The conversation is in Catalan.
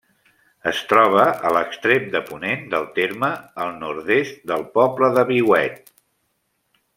Es troba a l'extrem de ponent del terme, al nord-est del poble de Viuet.